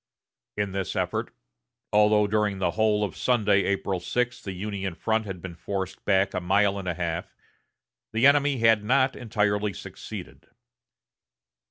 In this effort, although during the whole of Sunday, April 6, the Union front had been forced back a mile and a half, the enemy had not entirely succeeded.